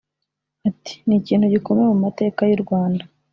Ati “Ni ikintu gikomeye mu mateka y’u Rwanda